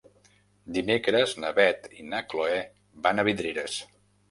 Dimecres na Beth i na Chloé van a Vidreres.